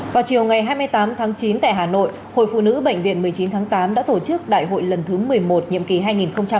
vào chiều ngày hai mươi tám tháng chín tại hà nội hội phụ nữ bệnh viện một mươi chín tháng tám đã tổ chức đại hội lần thứ một mươi một nhiệm kỳ hai nghìn hai mươi hai nghìn hai mươi năm